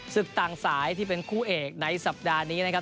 ศึกต่างสายที่เป็นคู่เอกในสัปดาห์นี้นะครับ